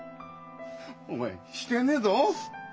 お前してねえぞ。